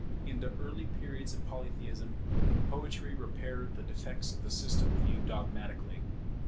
In the early periods of Polytheism, Poetry repaired the defects of the system viewed dogmatically.